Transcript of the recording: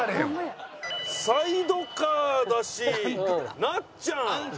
サイドカーだしなっちゃん！